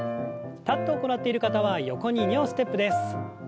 立って行っている方は横に２歩ステップです。